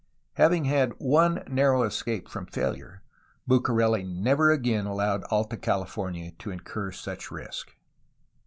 Having had one narrow escape from failure Bucareli never again allowed Alta California to incur such risk.